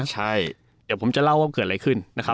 เดี๋ยวผมจะเล่าว่าเกิดอะไรขึ้น